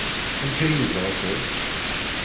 Amek ay yeẓra Tom?